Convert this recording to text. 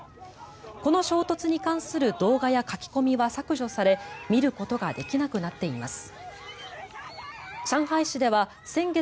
この衝突に関する動画や書き込みは削除され見ることができなくなっています。